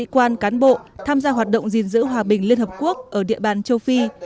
đã cử một trăm linh sĩ quan cán bộ tham gia hoạt động gìn giữ hòa bình liên hợp quốc ở địa bàn châu phi